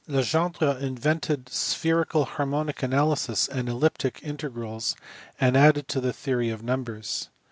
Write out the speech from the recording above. Legendre invented spherical harmonic analysis and elliptic integrals, and added to the theory of numbers.